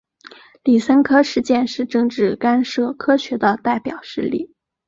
李森科事件是政治干涉科学的代表事例。